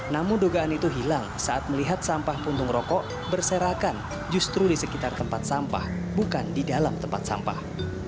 namun dugaan itu hilang saat melihat sampah puntung rokok berserakan justru di sekitar tempat sampah bukan di dalam tempat sampah